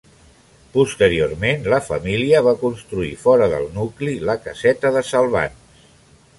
Posteriorment la família va construir fora del nucli la caseta de Salvans.